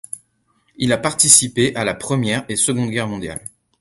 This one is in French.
Il a participé à la Première et Seconde Guerre mondiale.